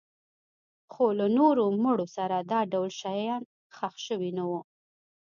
خو له نورو مړو سره دا ډول شیان ښخ شوي نه وو